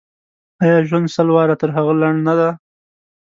آیا ژوند سل واره تر هغه لنډ نه دی.